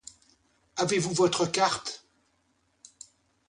Avez-vous votre carte?